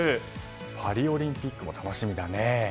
パリオリンピックも楽しみだね。